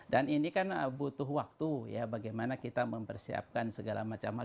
dan ini kan butuh waktu bagaimana kita mempersiapkan segala macam hal